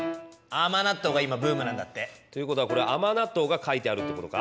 甘納豆が今ブームなんだって。ということはこれ甘納豆がかいてあるってことか？